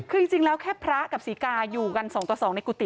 คือจริงแล้วแค่พระกับศรีกาอยู่กัน๒ต่อ๒ในกุฏิ